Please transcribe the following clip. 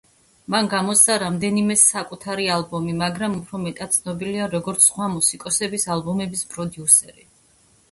მან გამოსცა რამდენიმე საკუთარი ალბომი, მაგრამ უფრო მეტად ცნობილია, როგორც სხვა მუსიკოსების ალბომების პროდიუსერი.